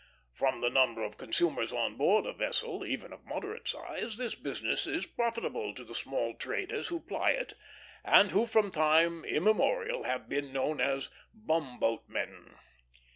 From the number of consumers on board a vessel, even of moderate size, this business is profitable to the small traders who ply it, and who from time immemorial have been known as bumboatmen.